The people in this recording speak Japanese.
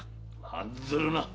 案ずるな。